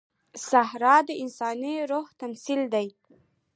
صحرا د انساني روح تمثیل دی.